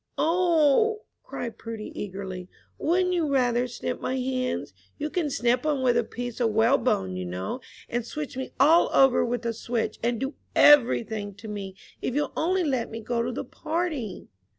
"O," cried Prudy, eagerly, "wouldn't you rather snip my hands? You can snip 'em with a piece o' whalebone, you know, and switch me all over with a switch, and do every thing to me, if you'll only let me go to the party!"